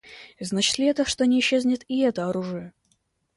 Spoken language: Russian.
Значит ли это, что не исчезнет и это оружие?